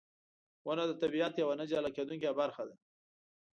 • ونه د طبیعت یوه نه جلا کېدونکې برخه ده.